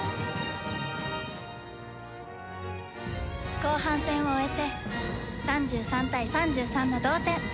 後半戦を終えて３３対３３の同点。